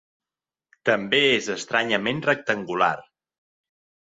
També és estranyament rectangular.